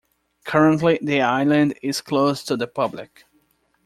Currently the island is closed to the public.